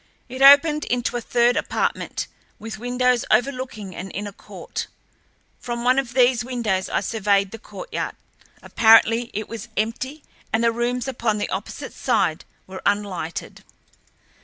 It opened into a third apartment with windows overlooking an inner court. From one of these windows I surveyed the courtyard. Apparently it was empty, and the rooms upon the opposite side were unlighted.